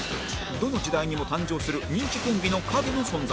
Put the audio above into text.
どの時代にも誕生する人気コンビの陰の存在